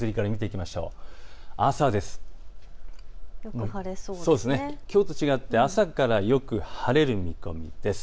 きょうと違って朝からよく晴れる見込みです。